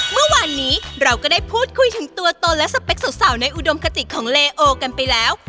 เมื่อวานนี้เราก็ได้พูดคุยถึงตัวตนและสเปคสาวในอุดมคติของเลโอกันไปแล้ว